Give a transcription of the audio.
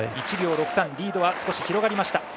１秒６３とリードは広がりました。